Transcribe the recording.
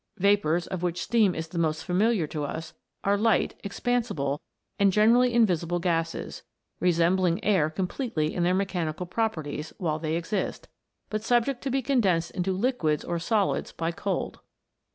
Vapours, of which steam is the most familiar to us, are light, expansible, and generally invisible gases, resembling air completely in their mechanical properties while they exist, but subject to be con densed into liquids or solids by cold.